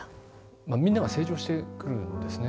まあみんなが成長してくるんですね。